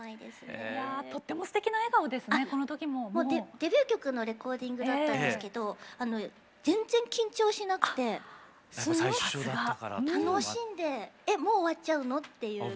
デビュー曲のレコーディングだったんですけど全然緊張しなくてすごく楽しんでえっもう終わっちゃうの？っていう感じで。